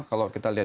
kalau kita lihat